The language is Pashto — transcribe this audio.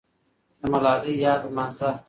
د ملالۍ یاد لمانځه.